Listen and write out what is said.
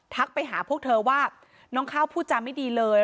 ไปหาพวกเธอว่าน้องข้าวพูดจาไม่ดีเลย